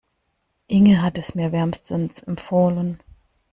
Inge hat es mir wärmstens empfohlen.